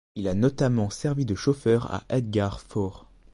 Il a notamment servi de chauffeur à Edgar Faure.